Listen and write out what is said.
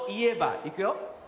いくよ。